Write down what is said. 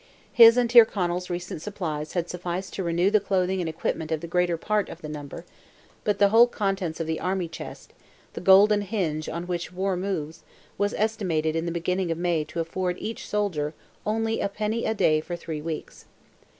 His and Tyrconnell's recent supplies had sufficed to renew the clothing and equipment of the greater part of the number, but the whole contents of the army chest, the golden hinge on which war moves, was estimated in the beginning of May to afford to each soldier only "a penny a day for three weeks."